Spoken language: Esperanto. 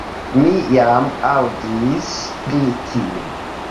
Mi jam aŭdis pri tio.